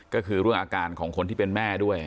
ก็คือเรื่องอาการของคนที่เป็นแม่ด้วย